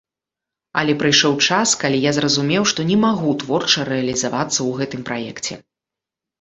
Але прыйшоў час, калі я зразумеў, што не магу творча рэалізавацца ў гэтым праекце.